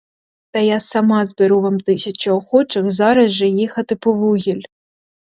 Та я сама зберу вам тисячі охочих зараз же їхати по вугіль.